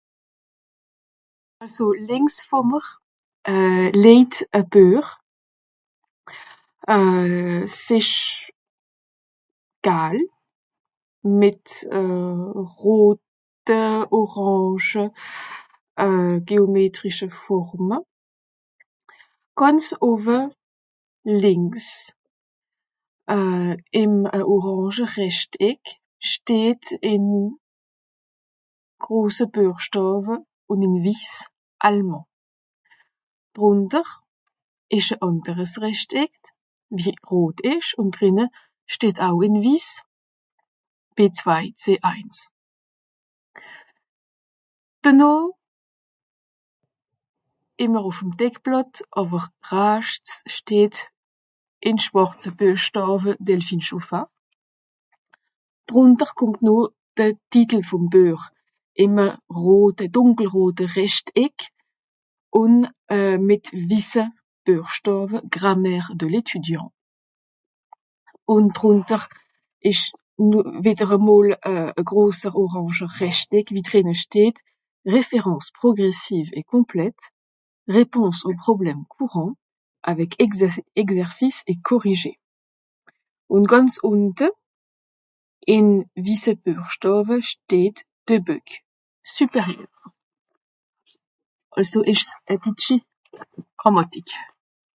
"Àlso, lìnks vo m'r... euh... léjt e Büech. Euh... s'ìsch gall, mìt euh... rote, orange euh... geometrische Forme. Gànz owe, lìnks, euh... ìm e Orange Rèchtéck, steht ìn grose Büechstàwe ùn ìn wiss : ""allemand"". Drùnter ìsch e ànderes Rèchtéck, wie rot ìsch, ùn drinne steht au ìn wiss : ""B2, C1"". Denoh, ìmmer ùf'm Deckblàtt, àwer raschts steht, ìn schwàrze Büechstàwe : ""Delphine chouffat"". Drùnter kùmmt noh de Titel vùm Büech, ìme rote, dùnkelrote Rèchtéck, ùn euh... mìt wisse Büechstàwe : ""grammaire de l'étudiant"". Ùn drùnter ìsch n... wìdder emol e... e groser oranger Rèchtéck, wie drìnne steht : ""référence progressive et complète, réponses aux problèmes courants avec exercices et corrigés"". Ùn gànz ùnte, ìn wisse Büechstàwe steht : ""debek, supérieur"". Àlso ìsch's e ditschi Gràmmàtik."